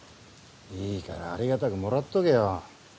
いいからありがたくもらっとけよ。